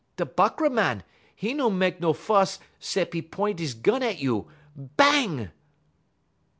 Da Buckra Màn, 'e no mek no fuss 'cep' 'e p'int 'e gun at you _bang!